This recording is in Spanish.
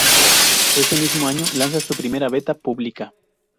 Ese mismo año, lanza su primera beta pública.